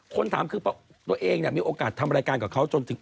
คนถามคือตัวเองเนี่ยมีโอกาสทำรายการกับเขาจนถึง